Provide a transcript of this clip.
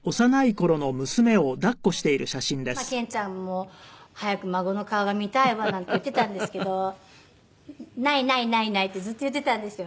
もうずっと結婚してからずっと憲ちゃんも「早く孫の顔が見たいわ」なんて言ってたんですけど「ないないないない」ってずっと言ってたんですよ。